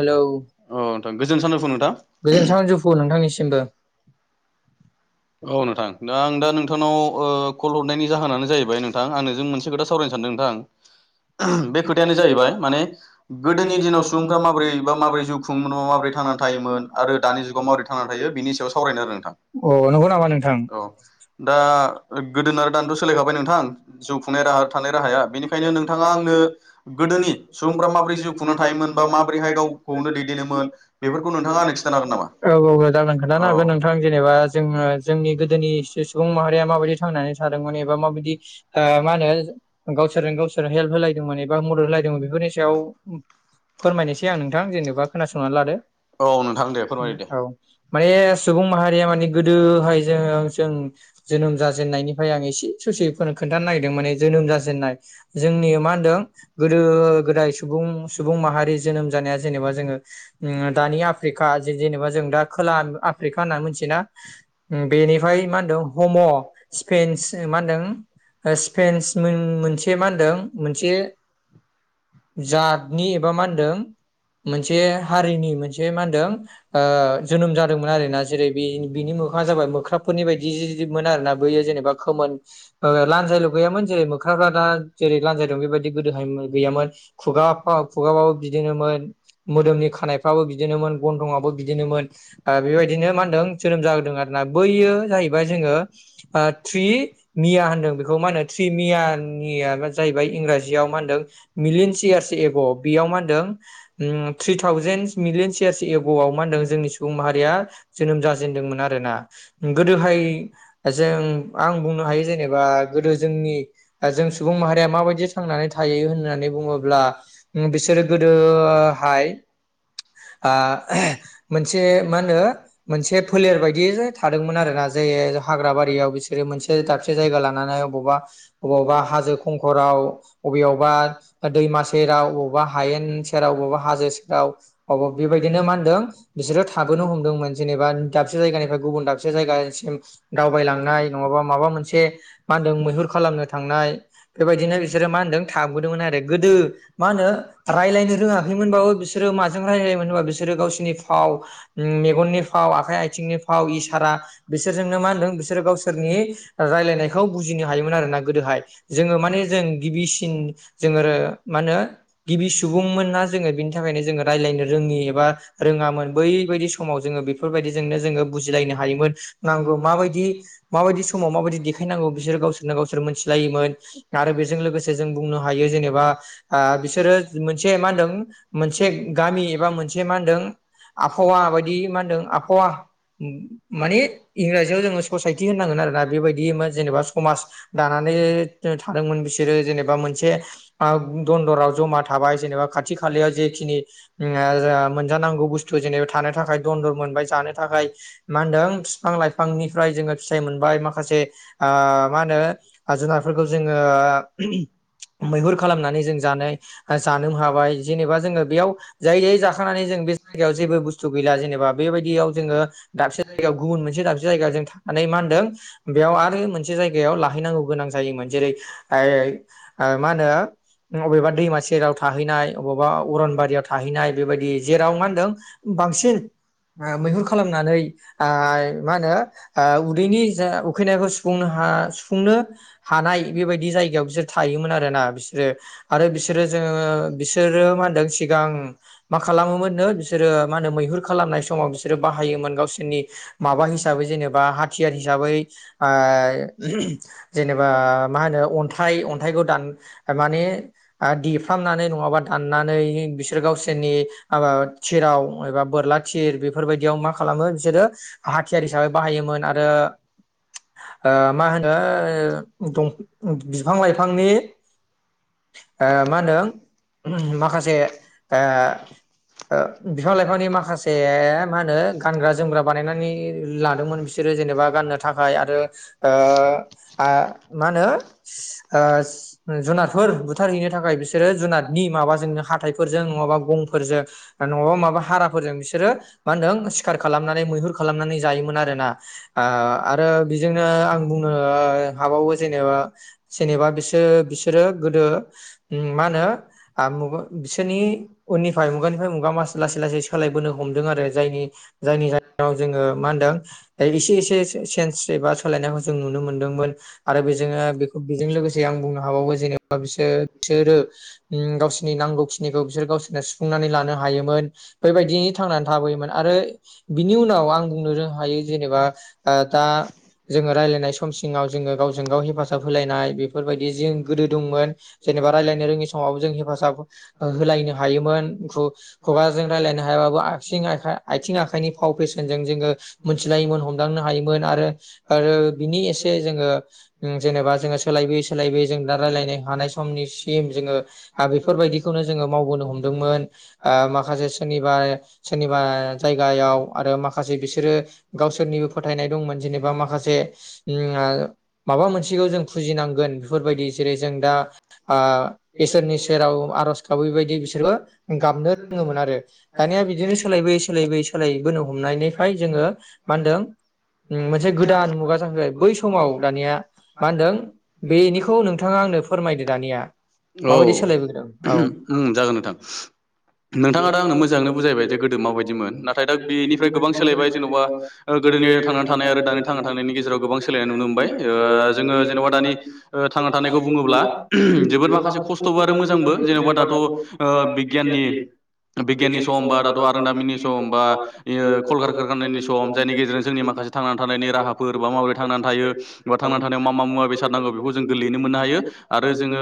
Hello गोजोन सानजुफु नोंथांनिसि मबो। औ नोंथां दा आं दा नोंथांनाव ओ कल हरनायनि जाहोनानो जाहैबाय नोंथां आं नोंजों मोनसे खोथा सावराय सानदों नोंथां बे खोथायानो जाहैबाय माने गोदोनि दिनाव सुबुंफ्रा माबोरै बा माबोरै जिउ खुङोमोना माबोरै थांनानै थायोमोन आरो दानि जुगाव माबोरै थांनानै थायो बेनि सायाव सावरायनो आरो नोंथां औ दा गोदोन आरो दानथ सोलायखाबाय नोंथां जौ खुंनाय राहा थानाय राहाया बेनिखायनो नोंथां औ-औ जागोन खोन्थानो हागोन नोंथां जेनेबा जों जोंनि गोदोनि [unintelligible] सुबुं माहारिया माबायदि थांनानै थानो [inaudible] माबायदि ओ मा होनो गावसोरजों गावसोर हेल्प होलायदोंमोन एबा मदद होलायदोंमोन बेफोरनि सायाव फोरमायनोसै आं नोंथां जेनेबा खोनासंनानै लादो औ माने सुबुं माहारिया मान गोदोहाय जों जों जोनोम जाजेननायनिफ्राय आं एसे ससे फोर खोन खिथानो नागिरदों माने जोनोम जाजेननाय जोंनि मा होनदों गोदो गोदाय सुबुं सुबुं माहारि जोनोम जानाया जेनेबा जोङो उम दानि आफ्रिका जेनेबा जों दा खोला आफ्रिका होनना मिथियोना बेनिफ्राय मा होनदों हम स्पेेनस मा होनदों स्पेनस मोन मोनसे मा होनदों मोनसे जातनि एबा मा होनदों मोनसे हारिनि मोनसे मा होनदों ओ जोनोम जादोंमोन आरोना जेरै बे बिनि मोखाङा जाबाय मोख्राबफोरनि बायदि जोबमोन आरोना बैयो जेनेबा खोमोन ओ लानजायल गैयामोन जेरै मोख्राफ्रा दा जेरै लान्जाय दं बेबायदि गोदोहाय गैयामोन खुगा खुगाबाबो बिदिनोमोन मोदोमनि खानायफ्राबो बिदिनोमोन गन्थंबाबो बिदिनोमोन ओ बेबायदिनो मा होनदों जोनोम जाहोदों आरोना बैयो जाहैबाय जोङो थ्रि बेखौ मा होनो थ्रि मिया निया [unintelligible] इंराजियाव मा होनदों मिलियनस इयारस एग बेयाव मा होनदों ओ three thousand millions years ago आव मा होनदों जोंनि सुबुं माहारिया जोनोम जाजेनदोंमोन आरोना गोदोहाय जों आं बुं जबा गो जोंनि [unintelligible] सुबुं माहारिया माबायदि थांनानै थायो होननानै बुङोब्ला बिसोरो गोदोहाय ओ मोनसे मा होनो मोनसे फोलेर बायदि थादोंमोन आरोना जे हाग्रा बारियाव बिसोरो दाबसे जायगा लानानै बबावबा अबावबा हाजो गराव वबेआवबा दैमा सेराव अबावबा हायेन सेराव बबावबा हाजो सेराव अबाव बेबायदिनो मा होनदों बिसोरो थाबोनो हमदोंमोन जेनेबा दाबसे जायगानिफ्राय गुबुन दाबसे जायगासिम दावबायलांनाय नङाबा मोनसे मा होनदों मैहुर खालामनो थांनाय बेबायदिनो बिसोरो मा होनदों थाबोदोंमोन आरो गोदो मा होनो रायलायनो रोङाखैमोनबाबो बिसोरो माजों रायलायोमोन होनबा बिसोरो गावसोरनि फाव मेगननि फाव आखाइ आथिंनि फाव इसारा बिसोरजोंनो मा होनदों बिसोरो गावसोरनि रायज्लायनायखौ बुजिनो हायोमोन आरोना गोदोहाय जोङो माने जों गिबिसिन जोङो मा होनो गिबि सुबुंमोन ना जोङो बिनि थाखायनो जोङो रायलायनो रोङि एबा रोङामोन बैबायदि समाव जोङो बेफोरबायदिजोंनो जोङो बुजिलायनो हायोमोन नांगौ माबायदि-माबायदि समाव। आखायनांगौ बिसोर गावसोरनो गावसोर मिथिलायोमोन। आरो बेजों लोगोसे जों बुंनो हायो जेनेबा बिसोरो मोनसे मा होनदों मोनसे गामि एबा मोनसे मा होनदों आबहावा बायदि मा होनदों आबहावा माने इंराजियाव जोङो ससाइटि होननांगोन आरोना बेबायदि। [unintelligible] जेनेबा समाज दानानै थादोंमोन बिसोरो जेनेबा मोनसे दन्दराव जमा थाबाय जेनेबा खाथि खालायाव जेखिनि ओ मोनजानांगौ बुस्थु जेनेबा थानो थाखाय दन्दर मोनबाय जानो थाखाय मा होनदों बिफां लाइफांनिफ्राय जोङो फिथाइ मोनबाय माखासे आ मा होनो आजो फोरखौ जोङो मैहुर खालामनानै जों जानाय जानो हाबाय जेनेबा जोङो बेयाव जायै-जायै जाखानानै जों बे जायगायाव जेबो बुस्थु गैला जेनेबा बेबायदियाव जोङो दाबसे जायगायाव गुबुन मोनसे दाबसे जायगायाव जों थानानै मा होनदों बेयाव आरो मोनसे जायगायाव लाहैनांगौ गोनां। जायोमोन जेरै मा होनो अबेबा दैमा सेराव थाहैनाय अबेबा अरनबारियाव थाहैनाय बेबायदि जेराव मा होनदों बांसिन मैहुर खालामनानै मा होनो उदैनि जा उखैनायखौ सुफुंनो हा सुफुंनो हानाय बेबायदि जायगायाव बिसोर थायोमोन आरो ना बिसोरो आरो बिसोरो जोङो बिसोरो मा होनदों सिगां मा खालामो मोननो बिसोरो मा होनो मैहुर खालामनाय समाव बिसोरो बाहायोमोन गावसोरनि माबा हिसाबै जेनेबा हाथियार हिसाबै आइ जेने बा बा मा होनो अन्थाइ अन्थाइखौ दान माने देफ्रामनानै नङाबा दाननानै बिसोर गावसोरनि माबा थिराव एबा बोरला थिर बेफोरबायदियाव मा खालामो बिसोरो हाथियार हिसाबै बाहायोमोन आरो ओ मा होनो दं उं बिफां-लाइफांनि ओ मा होनदों माखासे ओ ओ बिफां- लाइफांनि माखासे मा होनो गानग्रा जोमग्रा बानायनानै लादोंमोन बिसोरो जेनेबा गाननो थाखाय। हाय आरो ओ आ। मा होनो जुनारफोर बुथारहैनो थाखाय बिसोरो जुनादनि माबाजोंनो हाथाइफोरजों नङाबा गंफोरजों नङाबा माबा हाराफोरजों बिसोरो मा होनदों सिखार खालामनानै मैहुर खालामनानै जायोमोन आरोना ओ आरो बेजोंनो आं बुंनो हाबावो जेनेबा जेनेबा बिसोर बिसोरो गोदो मा होनो मु बिसोरनि उननिफ्राय मुगानिफ्राय मुगा मास लासै लासै सोलायबोनो हमदों आरो जायनि जायनि जाहाव जोङो मा होनदों एसे एसे सेन्स एबा सोलायनायखौ जों नुनो मोनदोंमोन। आरो बेजों बेखौ बेजों लोगोसे आं बुंनो हाबावो जेनेबा बिसोर बिसोरो ओम गावसोरनि नांगौ खिनिखौ बिसोर गावसोरनो सुफुंनानै लानो हायोमोन बेबायदि थांनानै थाबोयोमोन आरो बिनि उनाव आं बुंनो रों हायो जेनेबा दा जोङो रायज्लायनाय सम सिङाव जोङो गाव गावजों गाव हेफाजाब होलायनाय बेफोरबायदि जिं गोदो दंमोन जेनेबा रायज्लायनो रोंङो समाव हेफाजाब होलायनो हायोमोन खु-खुगाजों रायायनो हाया आथिं आखाइनि फाव फेसन जों मोनथिलायोमोन हदांनो हायोमोन आरो बिनि एसे जोङो जों जेनेबा जोङो सोलायबोयै सोलायबोयै जों दा रायलायनो हानाय समनिसिम जोङो बेफोरबायदिखौनो जोङो मावबोनो हमदोंमोन आ माखासे सोरनिबा सोरनिबा जायगायाव आरो माखासे बिसोरो गावसोरनिबो फोथायनाय दंमोन जेनेबा माखासे ओ माबा मोनसेखौ जों फुजिनांगोन बेफोरबायदि जेरै जों दा आ इसोरनि सेराव आरज गाबैबायदि बिसोरबो गाबनो रोङोमोन आरो दानिया बिदिनो सोलायबोयै सोलायबोयै सोलायबोनो हमनायनिफ्रायाय जोङो मा होन्दों ओम मोनसे गोदान मुगा जाहबाय बै समाव दानिया मा होन्दों बेनिखौ नोंथाङा आंनो फोरमायदो दानिया माबायदि सोलायबोदों औ। नोंथाङा दा आंनो मोजाङैनो बुजायबाय जे गोदो माबायदिमोन नाथाय दा बेनिफ्राय गोबां सोलायबाय जेनिबा ओ गोदोनि थांना थानाय आरो दानि थांना थानायनि गेजेराव गोबां सोलायनाय नुनो मोनबाय ओ जोङो जेनबा दानि थांना ओ थानायखौ बुङोब्ला जोबोद माखासे खस्थबो आरो मोजांबो जेनबा दाथ ओ बिगियाननि बिगियाननि सम बा दाथ‌ आरोंदामिनि सम बा ओ कल खारखानि सम जायनि गेजेरजों जोंनि माख माखासे थांनानै थानायनि राहाफोर बा माबोरै थांनानै थायो बा थांनानै थानायाव मा मा मुवा बेसाद नांगौ बेखौ जों गलयैनो मोन्नो हायो आरो जोङो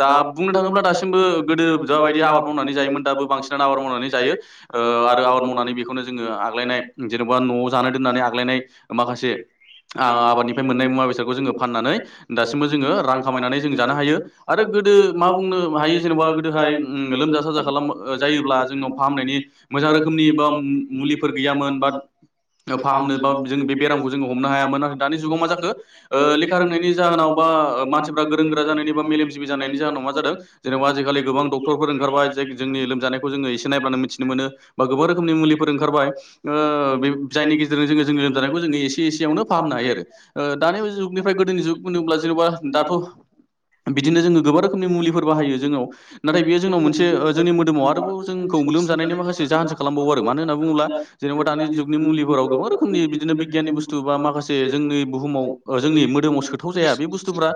दा बुंनो थाङोब्ला दासिमबो गोदो जाबायदि आबाद मावनानै जायोमोन दाबो बांसिन आबाद मावनानै जायो ओ आरो आबाद मावनानै बेखौनो जोङो आग्लायनाय जेनेबा न'आव जानो दोन्नानै आग नाय माखासे आबादनिफ्राय मोन्नाय मुवा बेसादखौ जोङो फान्नानै दासिमबो जोङो रां खामायनानै जों जानो हायो आरो गोदो मा बुंनो हायो जेनेबा गोदोहाय लोमजा साजा खालाम ओ जायोब्ला जोंनाव फाहामनायनि मोजां रोखोमनि बा मुलिफोर गैयामोन बा फाहामनो बा जों बेरामखौ जोङो हमनो हायामोन आरो दानि जुगाव मा जाखो ओ लेखा रोंनायनि जाहोनाव बा मानसिफ्रा गोरों गोरा जानायनि बा मेलेम सिबि जानायनि जाहोनाव मा जादों जेनेबा आजिखालि गोबां डक्टरफोर ओंखारबाय जे जोंनि लोमजानायखो जों एसे नायब्लनानै मिथिनो मोन बा गोबां रोखोमनि मुलिफोर ओंखारबाय ओ जायनि गेजेरजों जोङो जों लोमजानायखौ जोङो एसे एसेयावनो फाहामनो हायो आरो ओ दानि जुगनिफ्राय गोदोनि जुग होनोब्ला जेनबा दाथ बिदिनो जोङो गोबां रोखोमनि मुलिफोर बाहायो जोंनाव नाथाय बेयो जोंनाव मोनसे जोंनि मोदोमाव आरो आवबो जोंखौ लोमजानायनि माखासे जाहोनसो खालामबावो आरो मानो होनना बुङोब्ला जेनेबा दानि जुगनि मुलिफोराव गोबां रो खोमनि बिदिनो बिगियाननि बुस्थु बााखासे जोंनि बुहुमाव जोंनि मोदोमाव सोथाव जाया बे बुस्थुफ्रा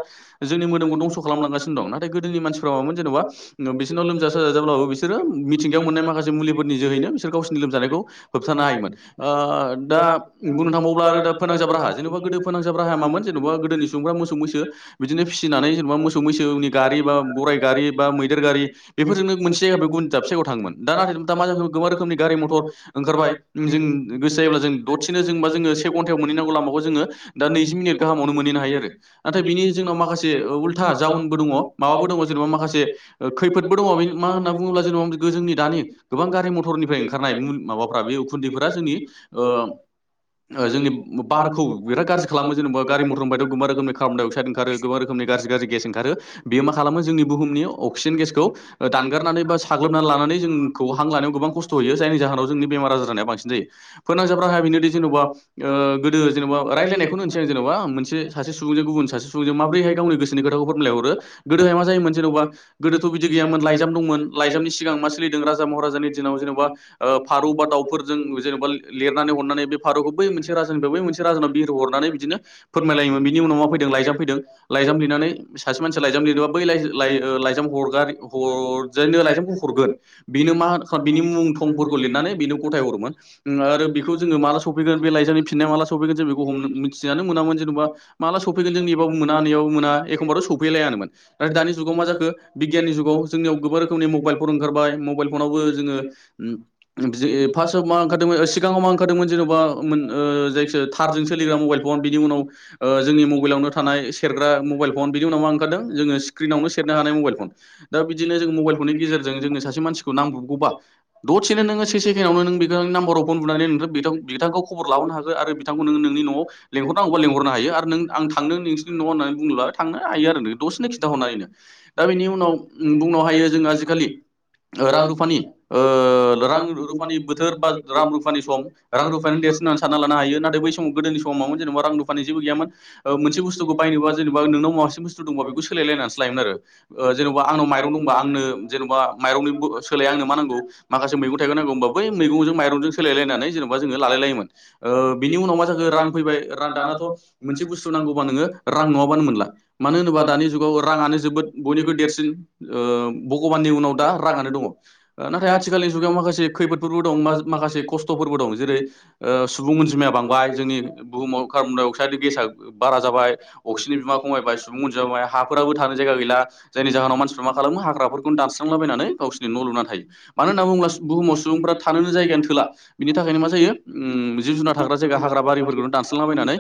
जोंनि मोदोमखौ दंस खालामलांगासिनो दं नाथाय गोदोनि मानसिफोरा मामोन जेनबा ओ बिसोरनाव लोमजा साजा जाब्लाबो बिसोर बिसोर मिथिंगायाव मोन्नाय माखासे मुलिफोरनि जोहैनो बिसोर गावसिरनि लोमजानायखौ होबथानो हायोमोन। ओ दा बुंनो थांबाव्ला आरो दा फोनांजाब राहा जेनबा गोदो फोनांजाब राहाया मामोन जेनबा गोदोनि सुबुंफ्रा मोसौ मैसो बिदिनो फिसिनानै जेनेबा मोसौ मैसोनि गारि बा बराय गारि बा मैदेर गारि बेफोरजोंनो मोनसे जायगा बेखौ गुबन [unintelligible] थाङोमोन दा नाथाय दा मा जाखो गोबां रोखोमनि गारि मटर ओंखारबाय जों गोसो जायोब्ला जों द [unintelligible] से घन्टायाव मोनहैनांगौ लामाखौ जोङो दा नैजि मिनिट गाहामावनो मोनहैनो हायो आरो बिनि जोंनाव माखासे उल्था जावनबो दङ माबाबो दङ जेनबा माखासे ओ खैफोदबो दङ मा होन्ना बुङो [unintelligible] जोंनि दानि गोबां गारि मथरनिफ्राय ओंखारनाय मु माबाफ्रा बे उखुन्दैफोरा जोंनि ओ ओ जोंनि बारखौ बिराद गाज्रि खालामो जेनेबा गारि मटर होनबा गोबां रोखोमनि कार्बन डाइ अक्साइड ओंखारो गोबां रोखोमनि गाज्रि गाज्रि गेस ओंखारो बेयो मा खालामो जोंनि बुुहुमनि अक्सिजेन गेसखौ दानगारनानै बा सा [unintelligible] लानानै जोंखौ हां लानायाव गोबां खस्थ होयो जायनि जाहोनाव जोंनि बेमार आजार जानाया बांसिन जायो। फोनांजाब राहाया बेनोदि दि जेनबा ओ गोदो जेनेबा रायलायनायखौनो होनसै आं जेनबा मोनसे सा सुबुंजों गुबुन सासे सुबुंजों माब्रैहाय गावनि गोसोनि खोथाखौ फोरमायलायहरो गोदोहाय मा जायोमोन जेनबा गोदोथ बिदि गैयामोन लाइजाम दंमोन लाइजामनि सिगां मा सोलिदों राजा महाराजानि दिनाव जेनेबा ओ फारौ बा दाउफोरजों जेनेबा लिरनानै हरनानै बे फारौखौ बै मोनसे राजानिफ्राय बै मोनसे राजानियाव बिरहो हरनानै बिदिनो फोरमायलायोमोन बिनि उनाव मा फैदों लाइजाम फैदों लाइजाम लिरनानै सासे मानसिया लाइजाम लिरदोबा बै लाइ लाय ओ लाइजाम हरगा हर जायनो लाइजामखौ हरगोन बिनो मा बिनि मुं थंफोरखौ लिरनानै बिनो गथाय हरोमोन आरो बेखौ जोङो माला सफैगोन बे लायजामनि फिननाया माला सफैगोन जों बेखौ हमनो मिथिनानै मोनामोन जेनबा माला सफैगोन जों नेबाबो मोना नेबाबो मोना एखनबाथ' सफैलायानोमोन नाथाय दानि जुगाव मा जाखो बिगियाननि जुगाव जोंनियाव गोबार खोमानि मबाइल फन ओंखारबाय मबाइल फनावबो जोङो ओ बिजि फार्सताव मा ओंखारदोंमोन सिगाङाव मा ओंखारदोमोन जेनबा मोन ओ जायखिजाया थारजों सोलिग्रा मबाइल फन बिनि उनाव ओ जोंनि मबाइलावनो थानाय सेरग्रा मबाइल फन बिनि उनाव मा ओंखारदो जोङो स्क्रिनावनो सेरनो हानाय मबाइल फन दा बिदि बे जों मबाइल फननि गेजेरजों जोंनो सासे मानसिखौ नांब्रबगौबा दसेनो नोङो से सेकेन्डावनो नों बिखौ नाम्बाराव फन बुनानै [unintelligible] बिथांखौ खब'र लाहरनो हागो आरो बिथांखौ नोंङो नोंनि नआव लेंहरनांगौबा लेंंहरनो हायो आरो नों आं थांदों नोंसिनि न'आव होननानै बुंब्ला थांनो हायो आरो न दसेनो खिन्थाहरनो हायो दा बेनि उनाव बुंनो हायो जों आजिखालि रां रुफानि ओ रां रुफानि बोथोर बा रां रुफानि सम रां रुफायानो देरसिन होनना सानना लानो हायो नाथाय बै समाव गोदोनि समाव मामो जेनेबा रां रुफानि जेबो गैयामोन ओ मोनसे बुसथुखौ बायनोबा जेनेबा नोंनाव मोनसे बुस्थु दंबा बेखौ सोलायनानैसो लायोमोन आरो ओ जेनबा आंनाव माय रं दंबा आंनो जेनबा मायरंनि सोलाय आंनो मा नांगौ माखासे मैगं-थायगं नांगौ ओम्बा बै मैगं जों मायरं जों सोलाय लायनानै जेन जों लालाय लायोमोन ओ बिनि उनाव मा जाखो रां फैबाय रां दानाथ' मोनसे बुस्थु नांगौबा नोङो रां नङाबानो मोनला मानो होनोबा दानि जुगाव राङानो जोबोद बयनिख्रुइ देरसिन ओ भगबाननि उनाव दा राङानो दङ नाथाय आथिखालनि जुगाव माखासे खैफोदफोरबो दं म माखासे खस्थफोरबो दं जेरै ओ सुबुं अनजिमाया बांबाय जोंनि बुहुमाव कार्बन-डाइ-अक्साइडनि गेसा बारा जाबाय अक्सिजेननि बिबाङाबो खमायबाय सुबुं अनजिमा खम हाफोराबो थानो जायगा गैला जायनि जाहोनाव मानसिफ्रा मा खालामो हाग्राफोरखौ दानस्रांलाबायनानै गावसिनि न' लुनानै थायो मानो होननानै बुङोब्ला बुहुमाव सुबुंफोरा थानो जायगायानो थोला बे नि थाखायनो मा जायो ओ जिब जुनार थाग्रा जायगा हाग्रा बारिफोरखौनो दानस्रांलाबायनानै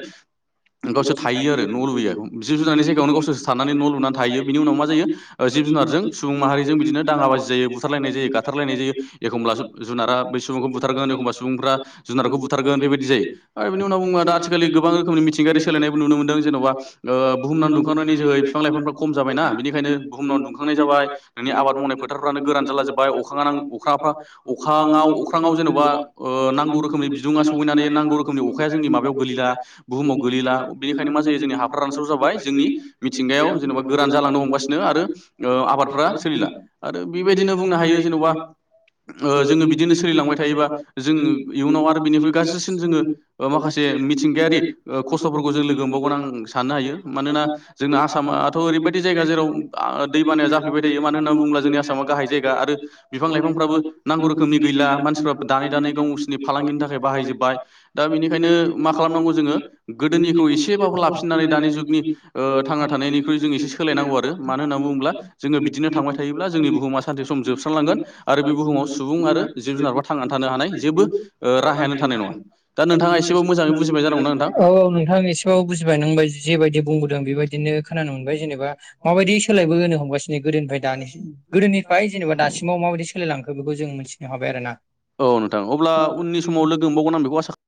गावसोर थायो आरो न' लुयो जिब जुनारनि जायगायावनो गावसोरसो थानानै न' लुना थायो बिनि उनाव मा जायो ओ जिब जुनारजों सुबुं माहारिजों बिदिनो दाङा बाजि जायो बुथारलायनाय जायो गाथारलायनाय जायो एखमब्ला जुनारा बै सुबुंखौ बुथारगोन एखमबब्ला सु बुंफ्रा जुनारखौ बुथारगोन बेबायदि जायो आरो बेनि उनाव बुङो दा आथिखालनि गोबां रोखोमनि मिथिंगायारि सोलायनाय नुनो मोनो जेनेबा ओ बुहुमनां दुंखांनायनि जोहै बिफां-लाइफांफ्रा खम जाबाय ना बेनिखायनो बु हुमाव दुंखांनाय जाबाय नोंनि आबाद मावनाय फोथारफ्रानो गोरान जाला जोबबाय अखा अखाफ्रा अखाङाव अख्राङाव जेनबा ओ नांगौ रोखोमनि बिदुङा सहैनानै नांगौ रोखोमनि अखाया जोंनि माबायाव गोलैला बुहुमाव गोलैला बेनिखायनो मा जायो जोंनि हाफोरा रानस्राव जाबाय जोंनि मिथिंगायाव जेनेबा गोरान जालांनो हमगासिनो आरो ओ आबादफ्रा सोलिला आरो बेबायदिनो बुंनो हायो जेनबा ओ जोङो बिदिनो सोलिलांबाय थायोबा जोंङो इयुनाव आरो बिनिख्रुइ गाज्रिसिन जोङो ओ माखासे मिथिंगायारि ओ खस्थ'फोरखौ जों लोगो मोनबावगोन आं साननो हायो मानोना जोंना आसामाथ' ओरैबायदि जायगा जेराव दै बानाया जाफ्लेबाय थायो मानो होननानै बुङोब्ला जोंनि आसामा गाहाय जायगा आरो बिफां लाइफांफ्राबो नांगौ रोखोमनि गैला मानसिफ्रा दानै दानै गावसिरनि फालांगिनि थाखाय बाहायजोबबाय दा बेनिखायनो मा खालामनांगौ जोङो गोदोनिखौ एसेबाबो लाफिननानै दानि जुगनि ओ थांना थानायनिख्रुइ जों एसे सोलायनांगौ आरो मानो होनाय ना बुङोब्ला जोङो बिदिनो थांबाय थायोब्ला जोंनि बुहुमा सानसे सम जोबस्रांलांगोन आरो बे बुहुमाव सुबुं आरो जिब जुनार थांनानै थानो हानाय औ नोथां एसेबाबो बुजिबाय नों बायदि जे बायदि बुं [unintelligible] बेबायदिनो खोनानो मोनबाय जेनेबा [inaudible] [unintelligible] हमगासिनो गोदोनिफ्राय दानिसिम गोदोनिफ्राय जेनेबा दासिमाव माबायदि सोयलायलां बेखौ जों मिथिनो हाबाय आरो ना औ नोंथां अब्ला उननि समाव लोगो मोनबावगोन आं बेखौ आसा